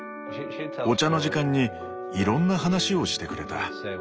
お茶の時間にいろんな話をしてくれた。